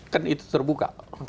kan itu terbuka